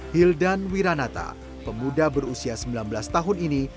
hildan wiranata pemuda berusia sembilan belas tahun ini